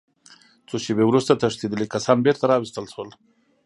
څو شېبې وروسته تښتېدلي کسان بېرته راوستل شول